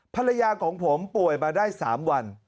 ภรรยาของผมป่วยมาได้๓วัน